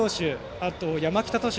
あと山北投手